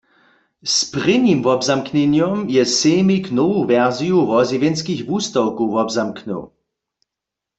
Z prěnim wobzamknjenjom je sejmik nowu wersiju wozjewjenskich wustawkow wobzamknył.